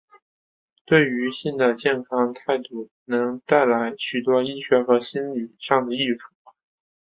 对于性的健康态度能带来许多医学和心里上的益处。